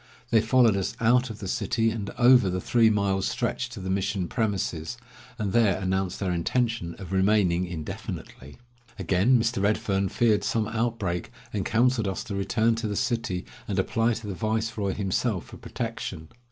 They followed us out of the city and over the three miles' stretch to the mission premises, and there announced their intention of remaining indefinitely. Again Mr. Redfern feared some outbreak, and counseled us to return to the city and apply to the viceroy himself for protection.